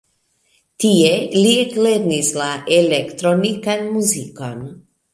Tie li eklernis la elektronikan muzikon.